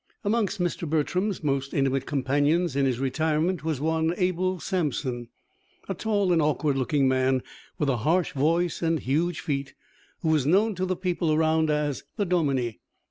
Amongst Mr. Bertram's most intimate companions in his retirement was one Abel Sampson, a tall and awkward looking man, with a harsh voice and huge feet, who was known to the people around as "the dominie."